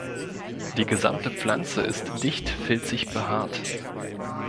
Die gesamte Pflanze ist dicht filzig behaart.